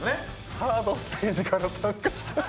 「サードステージから参加したらしいぜ」。